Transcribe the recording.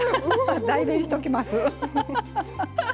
代弁しておきます。